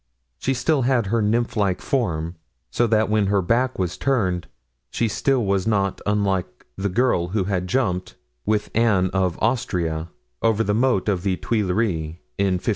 She had still her nymph like form, so that when her back was turned she still was not unlike the girl who had jumped, with Anne of Austria, over the moat of the Tuileries in 1563.